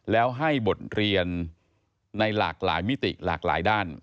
แล้วให้บทเรียนในหลากหลายมิติหลากหลายด้าน